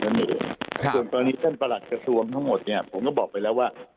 ส่วนกรณีท่านประหลัดกระทรวงทั้งหมดเนี่ยผมก็บอกไปแล้วว่า